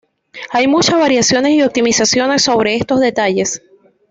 Hay muchas variaciones y optimizaciones sobre estos detalles.